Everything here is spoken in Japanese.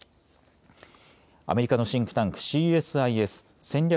アメリカのシンクタンク、ＣＳＩＳ・戦略